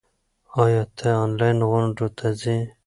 ایا ته آنلاین غونډو ته ځې؟